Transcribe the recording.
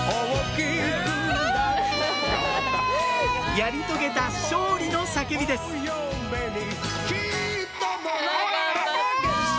やり遂げた勝利の叫びです頑張った。